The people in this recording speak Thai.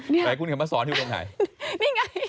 นี่เหรอแต่คุณเขียนผ้าสอนอยู่ตรงไหนนี่ไง